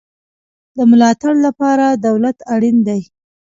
د ملاتړ لپاره دولت اړین دی